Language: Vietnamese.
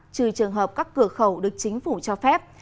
trừ trường hợp các cửa khẩu được chính phủ cho phép